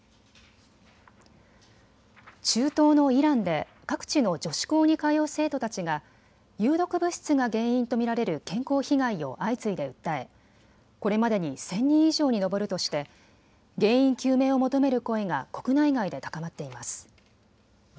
中東のイランで各地の女子校に通う生徒たちが有毒物質が原因と見られる健康被害を相次いで訴え、これまでに１０００人以上に上るとして原因究明を求める声が国内外で高まっています。